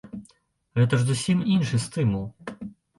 Гэта ж зусім іншы стымул.